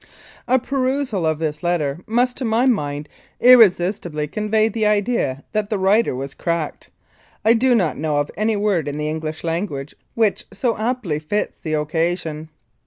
A perusal of this letter must, to my mind, irresistibly convey the idea that the writer was "cracked." I do not know of any word in the English language which so aptly fits the occasion.